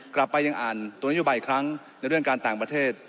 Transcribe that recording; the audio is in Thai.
กลับไปยังอ่านตัวนโยบายอีกครั้งในเรื่องการต่างประเทศ